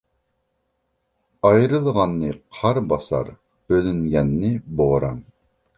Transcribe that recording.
ئايرىلغاننى قار باسار، بۆلۈنگەننى بوران.